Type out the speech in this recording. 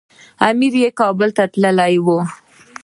امر یې کابل ته تللی و.